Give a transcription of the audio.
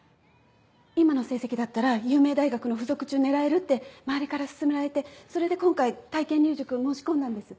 今の成績だったら有名大学の付属中狙えるって周りから勧められてそれで今回体験入塾申し込んだんです。